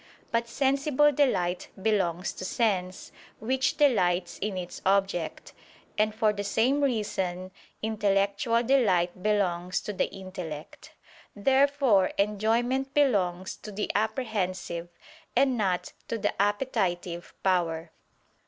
But sensible delight belongs to sense, which delights in its object: and for the same reason, intellectual delight belongs to the intellect. Therefore enjoyment belongs to the apprehensive, and not to the appetitive power.